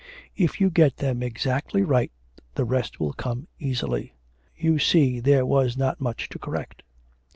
If you get them exactly right the rest will come easily. You see there was not much to correct.'